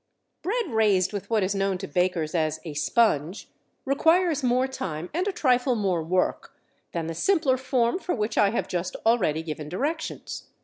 BREAD raised with what is known to bakers as a "sponge," requires more time and a trifle more work than the simpler form for which I have just already given directions.